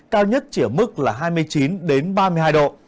cao nhất chỉ ở mức là hai mươi chín ba mươi hai độ